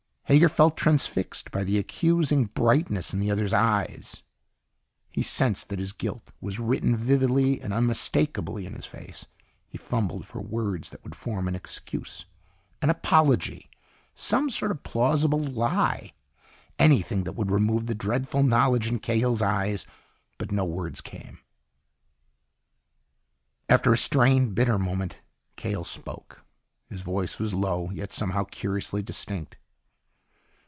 Hager felt transfixed by the accusing brightness in the other's eyes. He sensed that his guilt was written vividly and unmistakably in his face. He fumbled for words that would form an excuse, an apology, some sort of plausible lie anything that would remove the dreadful knowledge in Cahill's eyes. But no words came. After a strained, bitter moment Cahill spoke. His voice was low, yet somehow curiously distinct.